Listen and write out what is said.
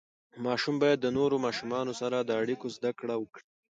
ماشوم باید د نورو ماشومانو سره د اړیکو زده کړه وکړي.